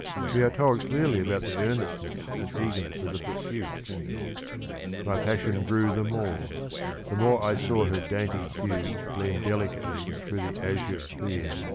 We are told clearly about the earnest ness and eagerness of the pursuit : My passion grew The more, the more I saw her dainty hue Gleam delicately through the azure clear.